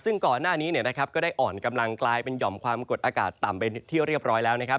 ซึ่งก่อนหน้านี้ก็ได้อ่อนกำลังกลายเป็นหย่อมความกดอากาศต่ำไปที่เรียบร้อยแล้วนะครับ